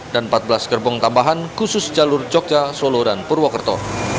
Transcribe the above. dan empat belas gerbong tambahan khusus jalur jogja solo dan purwokerto